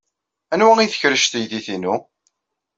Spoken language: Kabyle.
Anwa ay tkerrec teydit-inu?